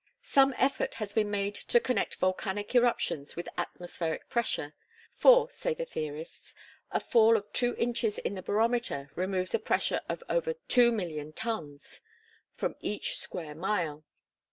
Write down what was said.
Some effort has been made to connect volcanic eruptions with atmospheric pressure; for, say the theorists, a fall of two inches in the barometer removes a pressure of over 2,000,000 tons from each square mile.